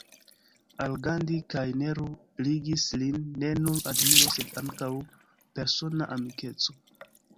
Al Gandhi kaj Nehru ligis lin ne nur admiro sed ankaŭ persona amikeco.